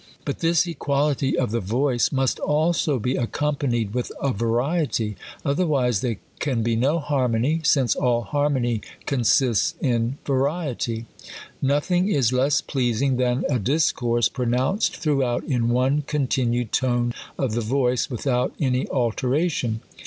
But this equality of the voice must also be accompanied with a variety : other wise there can be no hannony ; since all harmony con sists in variety. Nothing is less pleasing than a discourse pronounced thi'oughout in one continued tone of the voice, with out any alteration..